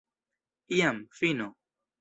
Jam fino!